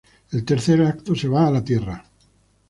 El tercer acto se va a la Tierra.